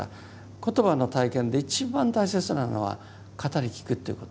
言葉の体験で一番大切なのは語り聞くということです。